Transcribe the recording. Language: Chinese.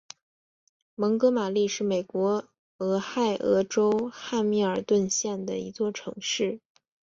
蒙哥马利是美国俄亥俄州汉密尔顿县的一座城市。